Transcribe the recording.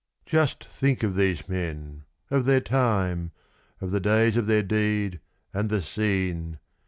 Just think of these men of their time of the days of their deed, and the scene!